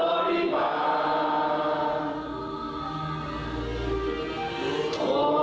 โอ้ลูกภาพธรรมรักษา